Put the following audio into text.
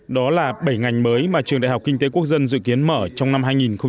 đó là bảy ngành mới mà trường đại học kinh tế quốc dân dự kiến mở trong năm hai nghìn hai mươi